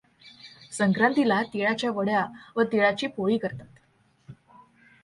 संक्रातीला तीळाच्या वड्या व तीळाची पोळी करतात.